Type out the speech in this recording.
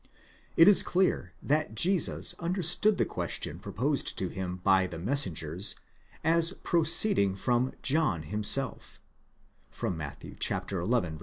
It is clear that Jesus under stood the question proposed to him by the messengers as proceeding from John himself; (ἀπαγγείλατε Ἰωάννῃ, Matt. xi.